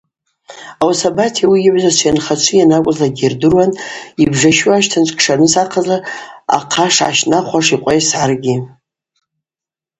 Ауаса Бати ауи йыгӏвзачва анхачви йанакӏвызлакӏгьи йырдыруан йбжащу ащтанчӏв кшарныс ахъа шгӏащтӏнахуаш йкъва-йсгӏарыгьи.